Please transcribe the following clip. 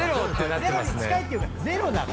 ゼロに近いっていうかゼロだから。